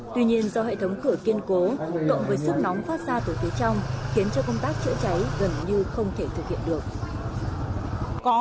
tuy nhiên do hệ thống cửa kiên cố cộng với sức nóng phát ra từ phía trong khiến cho công tác chữa cháy gần như không thể thực hiện được